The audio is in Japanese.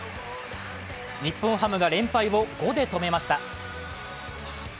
日本ハムが連敗を５で止めました。